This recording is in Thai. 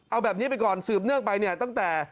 เอาแบบนี้ไปก่อนสืบเนื่องไปเนี่ยตั้งแต่